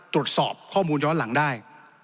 ตรวจสอบข้อมูลย้อนหลังได้